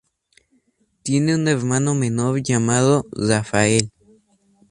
Tiene un hermano menor llamado Rafael.